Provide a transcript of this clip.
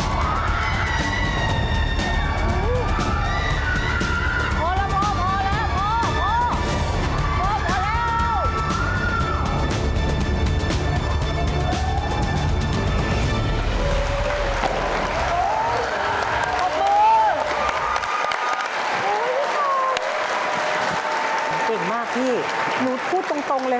ใช่เพราะเราทำเอง